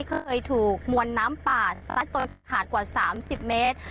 เคยถูกมวลน้ำป่าสักหากกว่า๓๐เมตร